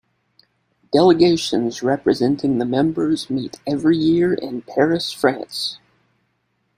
Delegations representing the members meet every year in Paris, France.